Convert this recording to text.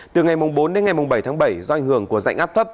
từ ngày bốn đến ngày bảy tháng bảy do ảnh hưởng của dạnh áp thấp